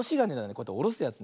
こうやっておろすやつ。